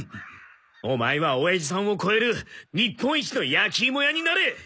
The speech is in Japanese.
オマエはおやじさんを超える日本一の焼き芋屋になれ！